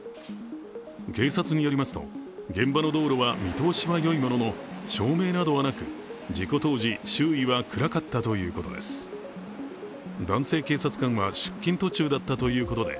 警察によりますと、現場の道路は見通しはよいものの照明などはなく、事故当時周囲は暗かったということです。